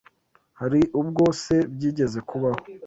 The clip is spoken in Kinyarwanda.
Hari ubwo se byigeze kubaho